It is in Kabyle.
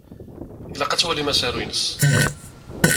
Ilaq ad twalim asaru-ines.